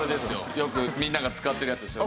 よくみんなが使ってるやつですよね。